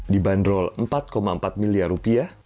di bandrol empat empat miliar rupiah